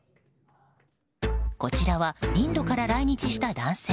こちらはインドから来日した男性。